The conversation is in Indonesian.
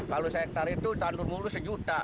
kalau sehektare itu tandur mulu sejuta